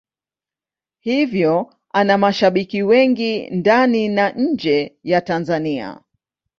Hivyo ana mashabiki wengi ndani na nje ya Tanzania.